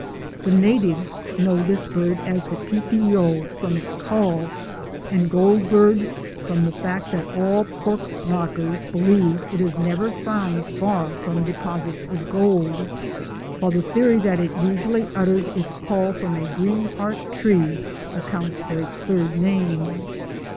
The natives know this bird as the Pe pe yo from its call, and Goldbird from the fact that all pork knockers believe it is never found far from deposits of gold; while the theory that it usually utters its call from a greenheart tree accounts for its third name.